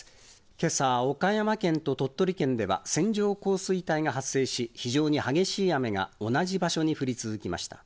けさ、岡山県と鳥取県では、線状降水帯が発生し、非常に激しい雨が同じ場所に降り続きました。